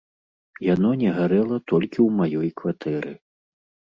Яно не гарэла толькі ў маёй кватэры.